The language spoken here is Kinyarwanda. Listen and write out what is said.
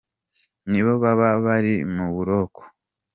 Ni bo baba bari mu buroko !